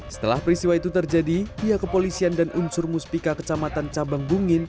setelah peristiwa itu terjadi pihak kepolisian dan unsur muspika kecamatan cabang bungin